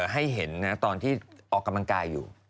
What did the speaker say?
ให้เห็นตอนที่ออกกำลังกายอยู่